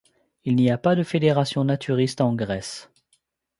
Il n'y a pas de Fédération naturiste en Grèce.